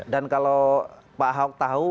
dan kalau pak ahok tahu